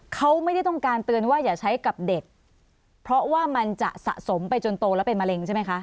เขาไม่ได้ต้องการเตือนว่าอย่าใช้กับเด็กเพราะว่ามันจะสะสมไปจนโตแล้วเป็นมะเร็งใช่ไหมคะ